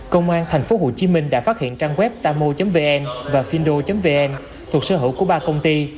công an tp hcm đã phát hiện trang web tamo vn và findo vn thuộc sở hữu của ba công ty